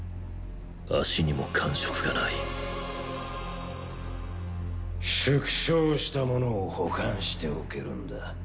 足にも感触がない縮小したものを保管しておけるんだ。